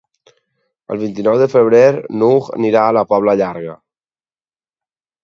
El vint-i-nou de febrer n'Hug irà a la Pobla Llarga.